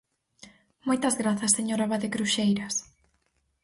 Moitas grazas, señor Abade Cruxeiras.